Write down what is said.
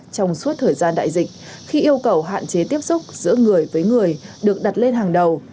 trong suốt thời gian đại dịch khi yêu cầu hạn chế tiếp xúc giữa người với người được đặt lên hàng đầu